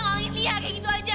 ngangit liat kayak gitu aja